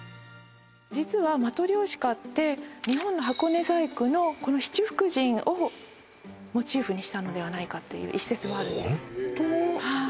実はマトリョーシカって日本の箱根細工のこの七福神をモチーフにしたのではないかという一説もあります